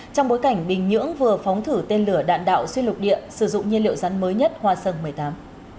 trong bối cảnh bình nhưỡng vừa phóng thử tên lửa đạn đạo xuyên lục địa sử dụng nhiên liệu rắn mới nhất hoa sơn một mươi tám